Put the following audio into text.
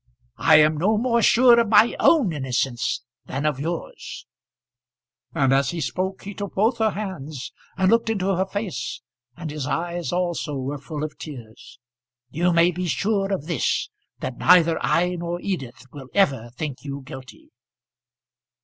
I am no more sure of my own innocence than of yours;" and as he spoke he took both her hands and looked into her face, and his eyes also were full of tears. "You may be sure of this, that neither I nor Edith will ever think you guilty."